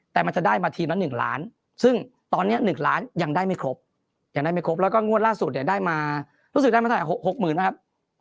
แต่มันจะได้มาทีละ๑ล้านซึ่งตอนนี้๑ล้านยังได้ไม่ครบแล้วก็ร่วมร่าสุดได้มารู้สึกได้มา๖หมื่นนะครับ